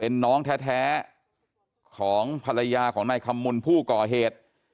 เป็นน้องแท้ของภรรยาของนายคำมุนผู้ก่อเหตุ